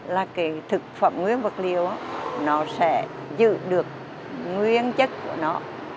là cái thực phẩm nguyên vật liệu nó sẽ giữ được nguyên chất của nó